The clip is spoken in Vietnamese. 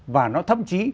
và nó thậm chí